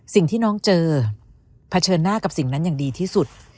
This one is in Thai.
สิ่งที่น้องเจอเผชิญหน้ากับสิ่งนั้นอย่างดีที่สุด